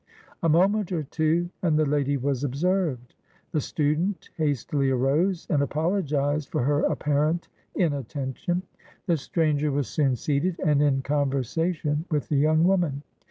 A moment or two, and the lady was observed. The student hastily arose and apologized for her apparent inattention. The stranger was soon seated, and in con versation with the young woman.